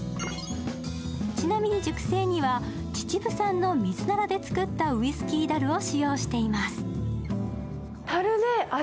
ちなみに熟成には秩父産のミズナラで作ったウイスキー樽を使用しています。